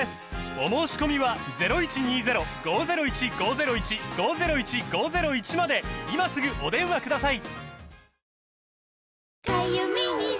お申込みは今すぐお電話ください